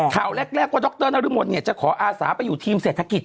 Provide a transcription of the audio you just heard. ข่าวแรกว่าดรนรมนจะขออาสาไปอยู่ทีมเศรษฐกิจ